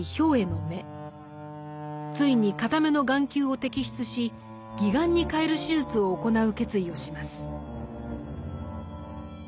ついに片目の眼球を摘出し義眼に替える手術を行う決意をします。